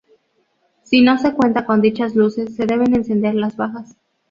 Si no se cuenta con dichas luces, se deben encender las bajas.